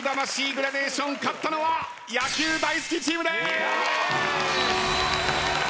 グラデーション勝ったのは野球大好きチームでーす！